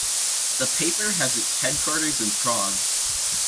The paper has its headquarters in Prague.